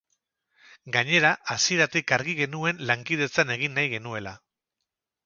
Gainera, hasieratik argi genuen lankidetzan egin nahi genuela.